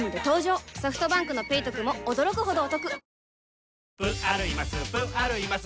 ソフトバンクの「ペイトク」も驚くほどおトク